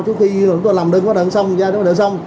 trước khi chúng tôi làm đơn qua đơn xong